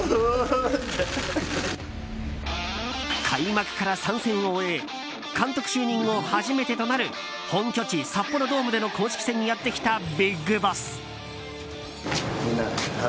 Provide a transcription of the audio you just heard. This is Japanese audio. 開幕から３戦を終え監督就任後、初めてとなる本拠地・札幌ドームでの公式戦にやってきたＢＩＧＢＯＳＳ。